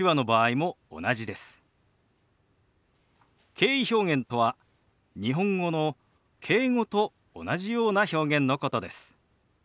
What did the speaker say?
敬意表現とは日本語の「敬語」と同じような表現のことです。